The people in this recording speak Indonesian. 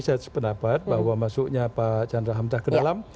saya sependapat bahwa masuknya pak chandra hamzah ke dalam